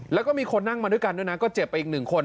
แล้วก็มีคนนั่งมาด้วยกันด้วยนะก็เจ็บไปอีกหนึ่งคน